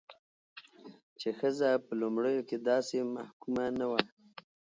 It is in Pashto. چې ښځه په لومړيو کې داسې محکومه نه وه،